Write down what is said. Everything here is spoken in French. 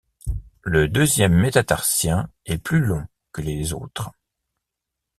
Le deuxième métatarsien est plus long que les autres.